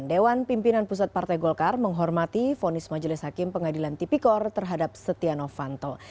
dewan pimpinan pusat partai golkar menghormati fonis majelis hakim pengadilan tipikor terhadap setia novanto